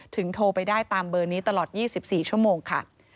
โทรไปได้ตามเบอร์นี้ตลอด๒๔ชั่วโมงค่ะ